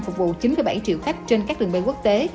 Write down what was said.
phục vụ chín bảy triệu khách trên các đường bay quốc tế